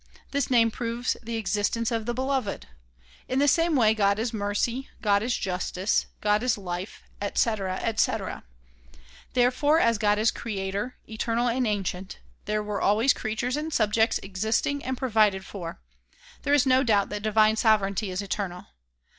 This name proves the existence of the beloved. In the same way God is mercy, God is justice, God is life, etc., etc. Therefore as God is creator, eternal and ancient, there were always creatures and subjects existing and provided for. There is no doubt that divine sovereignty is eternal.